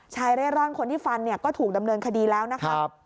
เร่ร่อนคนที่ฟันเนี่ยก็ถูกดำเนินคดีแล้วนะครับ